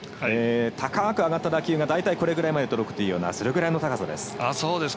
高く上がった打球が大体これぐらいまで届くというそれぐらいの高さです。